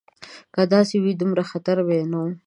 که داسې وای دومره خطر به یې نه و.